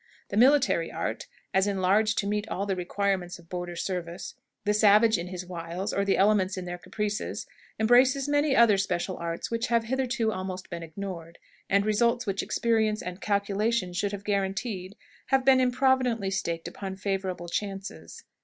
The Military Art, as enlarged to meet all the requirements of border service, the savage in his wiles or the elements in their caprices, embraces many other special arts which have hitherto been almost ignored, and results which experience and calculation should have guaranteed have been improvidently staked upon favorable chances.